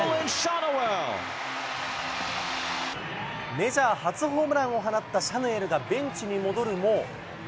メジャー初ホームランを放ったシャヌエルがベンチに戻るも。